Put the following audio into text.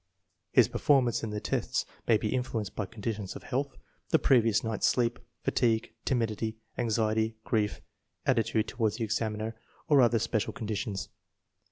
His performance in the tests may be influenced by conditions of health, the previous night's sleep, fatigue, timidity, anxiety, grief, attitude toward the examiner, or other special conditions.